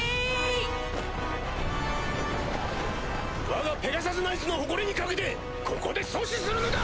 わがペガサスナイツの誇りに懸けてここで阻止するのだ！